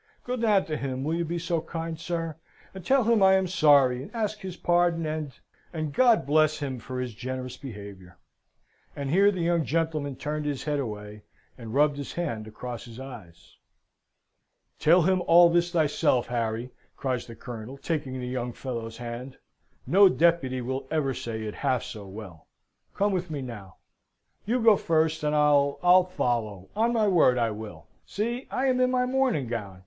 Go down to him, will you be so kind, sir? and tell him I am sorry, and ask his pardon, and and, God bless him for his generous behaviour." And here the young gentleman turned his head away, and rubbed his hand across his eyes. "Tell him all this thyself, Harry!" cries the Colonel, taking the young fellow's hand. "No deputy will ever say it half so well. Come with me now." "You go first, and I'll I'll follow, on my word I will. See! I am in my morning gown!